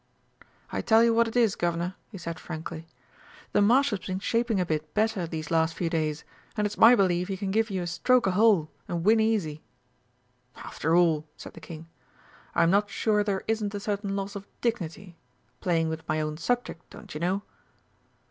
"I tell you what it is, Guv'nor," he said, frankly, "the Marshal's been shaping a bit better these last few days, and it's my belief he can give you a stroke a hole and win easy." "After all," said the King, "I'm not sure there isn't a certain loss of dignity playing with my own subject, don't you know."